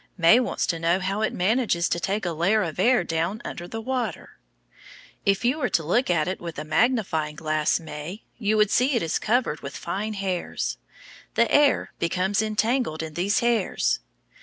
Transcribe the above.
May wants to know how it manages to take a layer of air down under the water. If you were to look at it with a magnifying glass, May, you would see it is covered with fine hairs; the air becomes entangled in these hairs.